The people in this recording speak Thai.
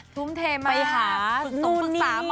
ทุ่มเทมากสูงฝึกสามอ๋อ